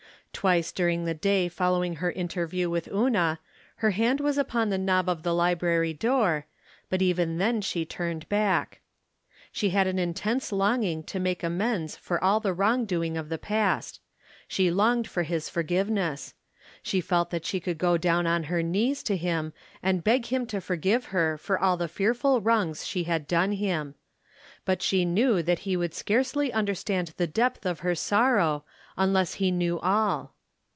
Twice during the day following her interview with Una her hand was upon the knob of the library door, but even then she turned back. She had an in tense longing to make amends for all the VTrong doing of the past ; she longed for his forgiveness ; she felt that she could go down on her knees to him and beg him to forgive her for all the fearful vnrongs she had done him. But she knew that he would scarcely understand the depth of her sorrow, unless he knew all.